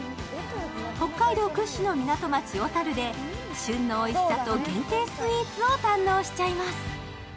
北海道屈指の港町・小樽で旬のおいしさと限定スイーツを堪能しちゃいます。